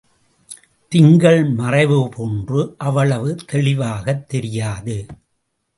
திங்கள் மறைவு போன்று அவ்வளவு தெளிவாகத் தெரியாது.